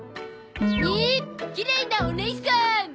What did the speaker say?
２きれいなおねいさん！